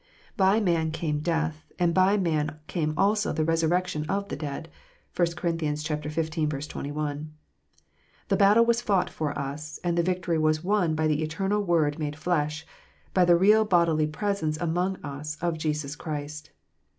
" By man came death, and by man came also the resurrection of the dead." (1 Cor. xv. 21.) The battle was fought for us, and the victory was won by the eternal Word made flesh, by the real bodily presence among us of Jesus Christ.